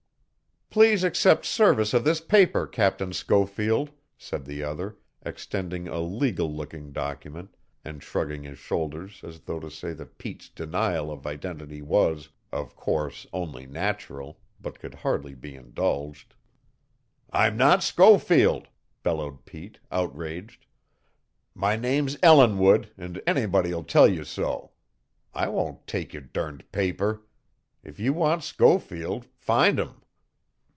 "Please accept service of this paper, Captain Schofield," said the other, extending a legal looking document, and shrugging his shoulders as though to say that Pete's denial of identity was, of course, only natural, but could hardly be indulged. "I'm not Schofield!" bellowed Pete, outraged. "My name's Ellinwood, an' anybody'll tell you so. I won't take your durned paper. If you want Schofield find him."